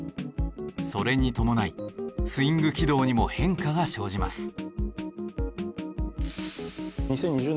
それに伴いスイング軌道にも変化が生じます。